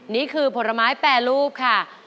นี่คือผลไม้แปรรูปค่ะ